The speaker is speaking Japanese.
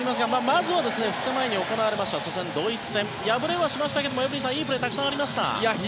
まず２日前に行われました初戦のドイツ戦敗れはしましたがいいプレーがたくさんありました。